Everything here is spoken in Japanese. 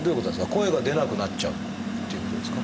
声が出なくなっちゃうっていうことですか？